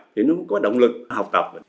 thì nó mới có động lực học tập